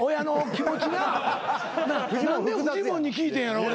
何でフジモンに聞いてんやろ俺。